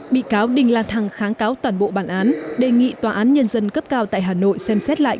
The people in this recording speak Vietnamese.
bị cáo đinh la thăng kháng cáo toàn bộ bản án đề nghị tòa án nhân dân cấp cao tại hà nội xem xét lại